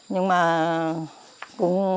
nhưng mà cũng